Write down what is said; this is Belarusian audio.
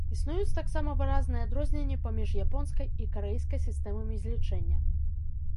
Існуюць таксама выразныя адрозненні паміж японскай і карэйскай сістэмамі злічэння.